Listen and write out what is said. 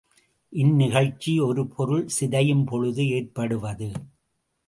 இந்நிகழ்ச்சி ஒரு பொருள் சிதையும்பொழுது ஏற்படுவது.